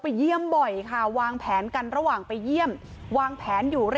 เยี่ยมบ่อยค่ะวางแผนกันระหว่างไปเยี่ยมวางแผนอยู่